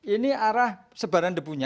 ini arah sebaran debunya